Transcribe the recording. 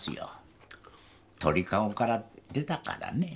鳥かごから出たからね。